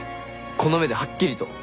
この目ではっきりと。